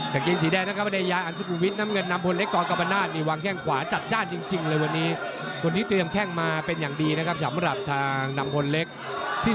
คนกีตแจกสีแดงก็กันเลยวันสุดสุดวิคต่างจากไป